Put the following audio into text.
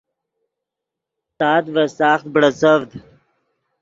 تات ڤے ساخت بڑیڅڤد